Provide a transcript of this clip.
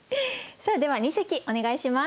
さあでは二席お願いします。